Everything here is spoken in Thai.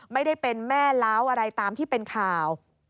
ไม่ได้เป็นแม่ล้าวอะไรตามที่เป็นข่าว